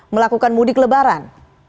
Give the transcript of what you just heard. melakukan mudik lebaran